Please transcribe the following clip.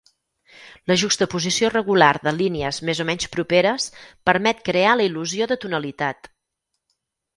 La juxtaposició regular de línies més o menys properes permet crear la il·lusió de tonalitat.